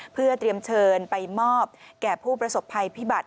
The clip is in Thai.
เพื่อเตรียมเชิญไปมอบแก่ผู้ประสบภัยพิบัติ